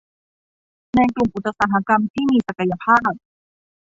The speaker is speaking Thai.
ในกลุ่มอุตสาหกรรมที่มีศักยภาพ